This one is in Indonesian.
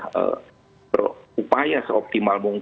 kepada pemerintah yang